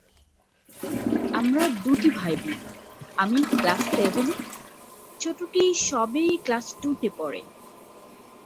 আমরা দুটি ভাইবোন, আমি ক্লাস সেভেনে, ছোটটি সবে ক্লাস টুতে পড়ে।